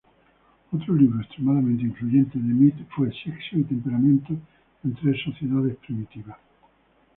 Otro libro extremadamente influyente de Mead fue "Sexo y Temperamento en Tres Sociedades Primitivas".